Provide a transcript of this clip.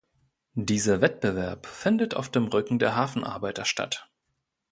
Dieser Wettbewerb findet auf dem Rücken der Hafenarbeiter statt.